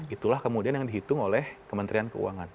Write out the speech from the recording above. itulah kemudian yang dihitung oleh kementerian keuangan